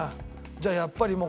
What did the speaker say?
じゃあやっぱりもう。